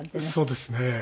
そうですね。